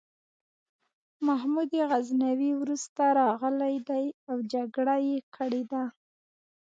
محمود غزنوي وروسته راغلی دی او جګړه یې کړې ده.